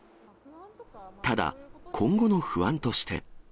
ただ、今後の不安として。